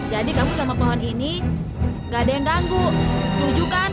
jadi kamu sama pohon ini nggak ada yang ganggu setuju kan